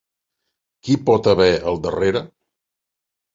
Qui hi pot haver al darrere?